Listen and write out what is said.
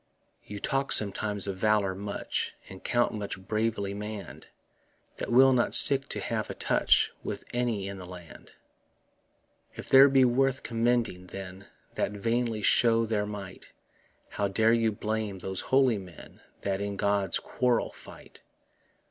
You talk sometimes of valour much, And count such bravely mann'd That will not stick to have a touch With any in the land. If these be worth commending, then, That vainly show their might, How dare you blame those holy men That in God's quarrel fight?